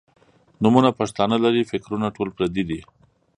نومونه پښتانۀ لــري فکـــــــــــرونه ټول پردي دي